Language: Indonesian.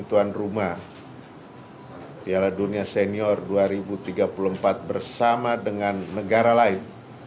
dan kebetulan rumah piala dunia senior dua ribu tiga puluh empat bersama dengan negara lain